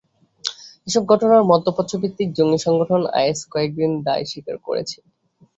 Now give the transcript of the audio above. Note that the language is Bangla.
এসব ঘটনায় মধ্যপ্রাচ্য ভিত্তিক জঙ্গি সংগঠন আইএস কয়েকটির দায় স্বীকার করেছে।